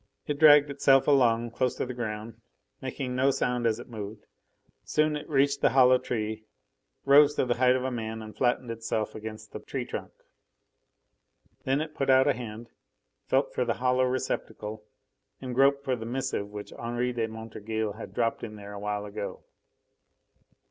It dragged itself along close to the ground, making no sound as it moved. Soon it reached the hollow tree, rose to the height of a man and flattened itself against the tree trunk. Then it put out a hand, felt for the hollow receptacle and groped for the missive which Henri de Montorgueil had dropped in there a while ago.